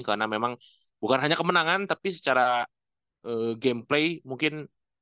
karena memang bukan hanya kemenangan tapi secara gameplay mungkin